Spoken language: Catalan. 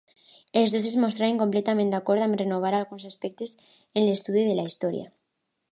Els dos es mostren completament d'acord amb renovar alguns aspectes en l'estudi de la història.